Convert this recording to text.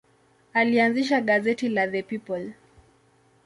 Alianzisha gazeti la The People.